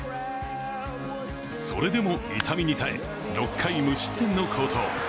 それでも痛みに耐え、６回無失点の好投。